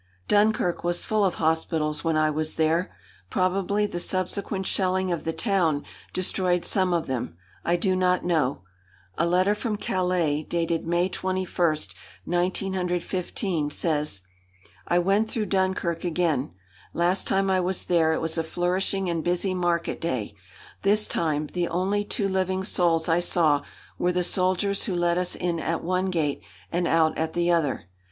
Dunkirk was full of hospitals when I was there. Probably the subsequent shelling of the town destroyed some of them. I do not know. A letter from Calais, dated May 21st, 1915, says: "I went through Dunkirk again. Last time I was there it was a flourishing and busy market day. This time the only two living souls I saw were the soldiers who let us in at one gate and out at the other.